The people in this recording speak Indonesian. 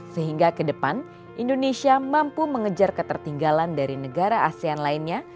sehingga ke depan indonesia mampu mengejar ketertinggalan dari negara asean lainnya